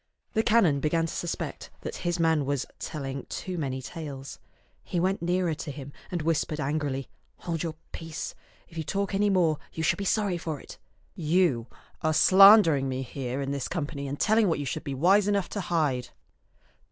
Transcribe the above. The canon began to suspect that his man was telling too many tales. He went nearer to him and whispered angrily, " Hold your peace. If you talk any more, you shall be sorry for it. You are slandering me here in this company and telling what you should be wise enough to hide."